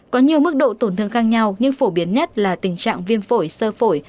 có nhiều mức độ tổn thương khác nhau nhưng phổ biến nhất là tình trạng viêm phổi sơ phổi